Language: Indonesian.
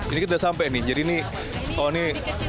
ini kita sudah sampai nih jadi ini oh ini